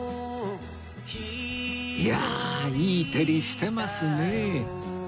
いやあいい照りしてますねえ